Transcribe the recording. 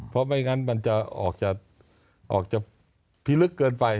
เพราะไม่งั้นมันจะออกจะพิลึกเกินไป